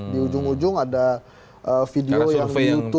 di ujung ujung ada video yang di youtube gitu